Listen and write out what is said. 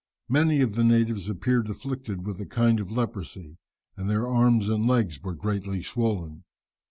Many of the natives appeared afflicted with a kind of leprosy, and their arms and legs were greatly swollen.